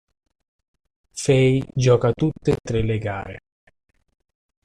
Fay gioca tutte e tre le gare.